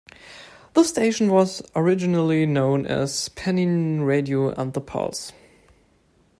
The station was originally known as Pennine Radio and The Pulse.